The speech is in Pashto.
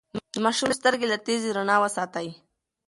د ماشوم سترګې له تیزې رڼا وساتئ.